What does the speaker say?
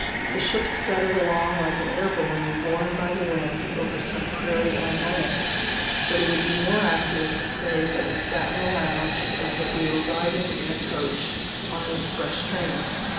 The ship scudded along like an air balloon borne by the wind over some prairie on land; but it would be more accurate to say that we sat in the lounge as if we were riding in a coach on an express train.